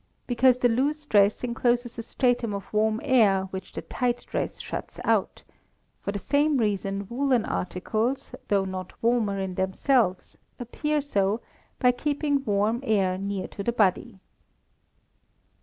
_ Because the loose dress encloses a stratum of warm air which the tight dress shuts out; for the same reason, woollen articles, though not warmer in themselves, appear so, by keeping warm air near to the body.